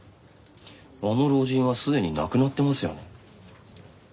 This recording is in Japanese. あの老人はすでに亡くなってますよね。